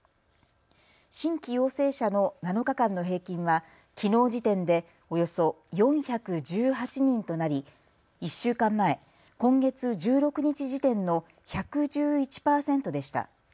新規陽性者の７日間の平均はきのう時点でおよそ４１８人となり１週間前、今月１６日時点の１１１％でした。